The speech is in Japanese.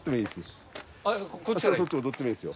こっちでもそっちでもどっちでもいいですよ。